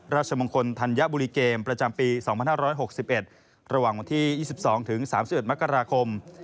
ราชมงคลธัญบุรีเกมประจำปี๒๕๖๑ระหว่างวันที่๒๒๓๑มกราคม